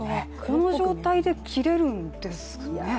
この状態で切れるんですね？